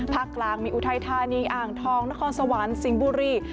กลางมีอุทัยธานีอ่างทองนครสวรรค์สิงห์บุรี